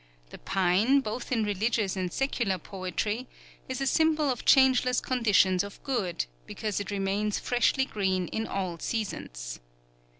The pine, both in religious and secular poetry, is a symbol of changeless conditions of good, because it remains freshly green in all seasons.